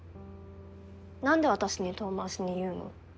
なんで私に遠回しに言うの？